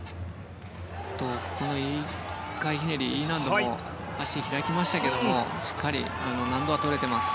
１回ひねりＥ難度も足が開きましたけどしっかり難度は取れています。